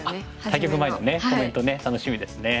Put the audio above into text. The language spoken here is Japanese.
対局前のコメントね楽しみですね。